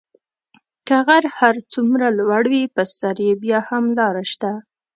که غر هر څومره لوړ وي په سر یې بیا هم لاره شته .